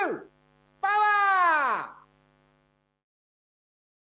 パワー！